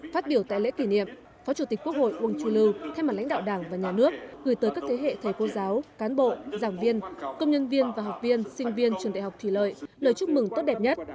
phát biểu tại lễ kỷ niệm phó chủ tịch quốc hội uông chu lưu thay mặt lãnh đạo đảng và nhà nước gửi tới các thế hệ thầy cô giáo cán bộ giảng viên công nhân viên và học viên sinh viên trường đại học thủy lợi lời chúc mừng tốt đẹp nhất